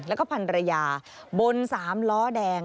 แล้วก็พันรยาบน๓ล้อแดง